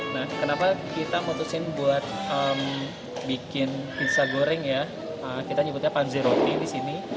nah kenapa kita memutuskan buat bikin pizza goreng ya kita nyebutnya panze roti disini